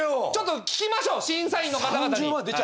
ちょっと聞きましょう審査員の方々に。